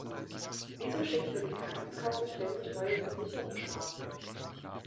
Wieso schickt mir die Krankenkasse ständig neue Versichertenkarten?